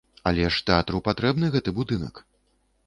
Але ж тэатру патрэбны гэты будынак.